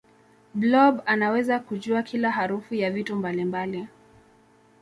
blob anaweza kujua kila harufu ya vitu mbalimbali